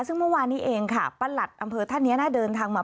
ซึ่งเมื่อวานนี้เองค่ะประหลัดอำเภอท่านนี้นะเดินทางมา